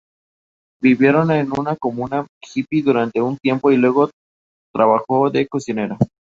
Vivieron en una comuna hippie durante un tiempo y luego trabajó de cocinera.